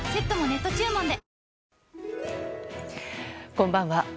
こんばんは。